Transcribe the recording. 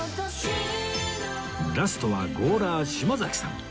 ラストはゴーラー島崎さん